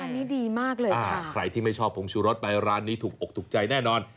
อันนี้ดีมากเลยใครที่ไม่ชอบผงชูรสไปร้านนี้ถูกอกถูกใจแน่นอน